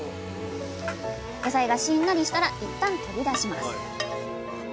野菜がしんなりしたらいったん取り出します。